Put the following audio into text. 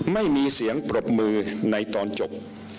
ไม่มีเสียงปรบมือในตอนจบ